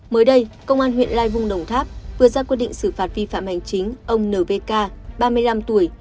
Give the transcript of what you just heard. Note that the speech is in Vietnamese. mới đây công an huyện lai vung đồng tháp vừa ra quyết định xử phạt vi phạm hành chính ông n v k ba mươi năm tuổi